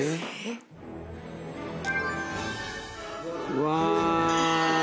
うわ。